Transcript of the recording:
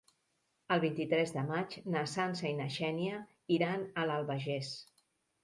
El vint-i-tres de maig na Sança i na Xènia iran a l'Albagés.